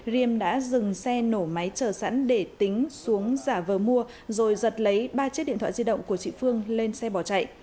riềm đã dừng xe nổ máy chờ sẵn để tính xuống giả vờ mua rồi giật lấy ba chiếc điện thoại di động của chị phương lên xe bỏ chạy